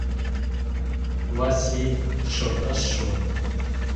— Васлий шорташ шуын.